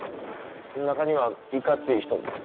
中にはいかつい人も。